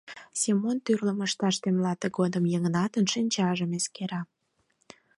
Семон тӱрлым ышташ темла, тыгодым Йыгнатын шинчажым эскера.